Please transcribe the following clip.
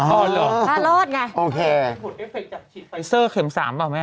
อ๋อเหรอโอเคถ้ารอดไงถ้ารอดไงเป็นผลเอฟเฟคจากชิดไฟเซอร์เข็ม๓หรือเปล่าแม่